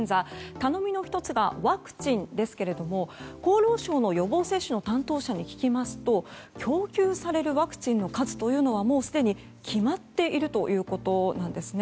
頼みの１つがワクチンですけども厚労省の予防接種の担当者に聞きますと供給されるワクチンの数というのはすでに決まっているということなんですね。